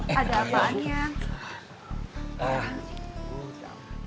ada apaan yang